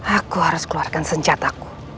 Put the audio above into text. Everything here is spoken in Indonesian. aku harus keluarkan senjataku